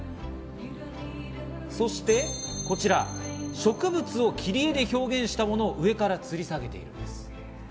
そしてこちら、植物を切り絵で表現したものを上からつり下げています。